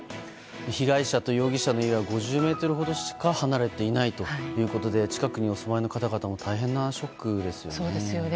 被害者と容疑者の家は５０ｍほどしか離れていないということで近くにお住まいの方々も大変なショックですよね。